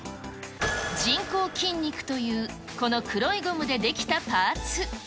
人工筋肉というこの黒いゴムで出来たパーツ。